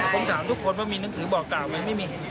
ผมถามทุกคนว่ามีหนังสือบอกกล่าวยังไม่มีเห็น